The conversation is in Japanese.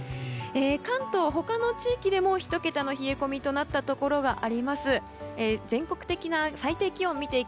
関東、他の地域でも１桁の冷え込みとなったところがあります。